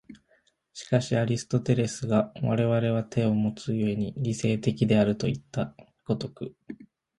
しかしアリストテレスが我々は手をもつ故に理性的であるといった如く